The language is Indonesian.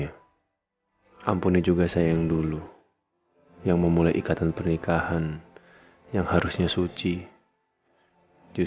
awaslah ya ricky